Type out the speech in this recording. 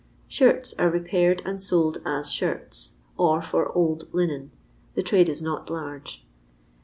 Shirts are repaired and sold as shirts, or fw old linen ; the trade is not large.